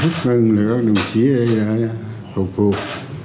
húc ưng các đồng chí ở đây hụt hụt